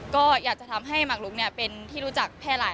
ก็อยากจะทำให้หมักลุกเป็นที่รู้จักแพร่หลาย